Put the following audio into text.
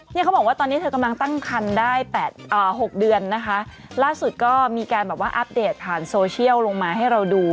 เขาบอกว่าตอนนี้เธอกำลังตั้งคันได้๘๖เดือนนะคะล่าสุดก็มีการแบบว่าอัปเดตผ่านโซเชียลลงมาให้เราดู